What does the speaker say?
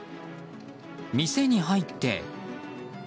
店に入って。